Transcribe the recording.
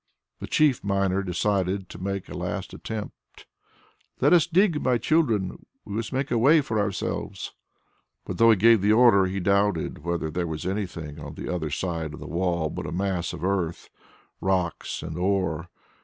The chief miner decided to make a last attempt, "Let us dig, my children! We must make a way for ourselves." But though he gave the order, he doubted whether there was anything on the other side of the wall but a mass of earth, rocks and ore.